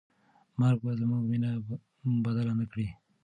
مرګ به زموږ مینه بدله نه کړي.